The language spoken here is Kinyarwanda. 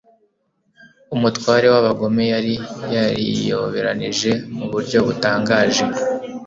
Umutware w'abagome yari yariyoberanije mu buryo butangaje